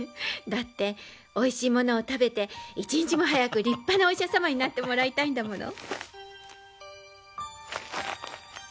だっておいしいものを食べて一日も早く立派なお医者様になってもらいたいんだもの。